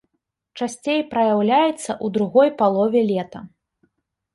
Часцей праяўляецца ў другой палове лета.